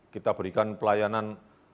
kita berikan pelayanan